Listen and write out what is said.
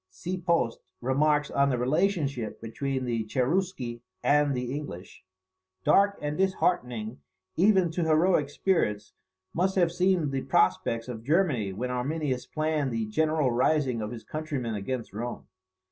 [See post, remarks on the relationship between the Cherusci and the English.] Dark and disheartening, even to heroic spirits, must have seemed the prospects of Germany when Arminius planned the general rising of his countrymen against Rome.